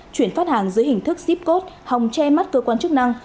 chuyển phát hàng dưới hình thức zip code hòng che mắt cơ quan chức năng